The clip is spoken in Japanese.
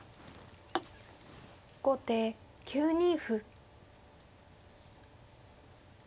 後手９二歩。